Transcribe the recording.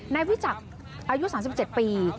วิจักษ์อายุ๓๗ปี